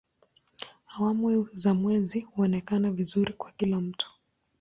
Awamu za mwezi huonekana vizuri kwa kila mtu.